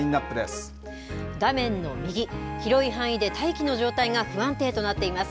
画面の右広い範囲で大気の状態が不安定となっています。